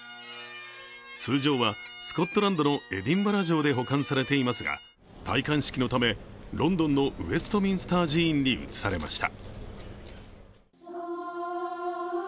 通常はスコットランドのエディンバラ城で保管されていますが戴冠式のためロンドンのウエストミンスター寺院に移されました。